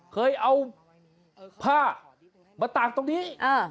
เคยเอาผ้ามาตากตรงนี้